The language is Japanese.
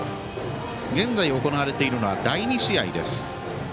現在行われているのは第２試合。